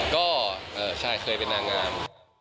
ก็ใช่เคยเป็นนางงาม